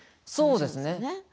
そうですね。